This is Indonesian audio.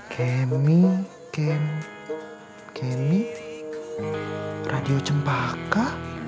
kemi kemi kemi radio cempaka